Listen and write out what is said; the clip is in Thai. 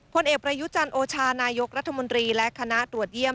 ผลเอกประยุจันทร์โอชานายกรัฐมนตรีและคณะตรวจเยี่ยม